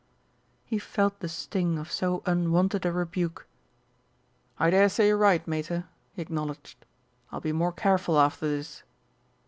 He felt the sting of so unwonted a rebuke. "I daresay you're right, Mater," he acknowledged. "I'll be more careful after this."